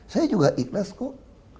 saya juga ikhlas kok